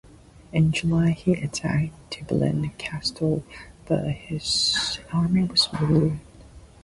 In July, he attacked Dublin Castle, but his army was routed.